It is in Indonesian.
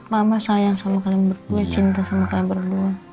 mama sayang sama kalian berdua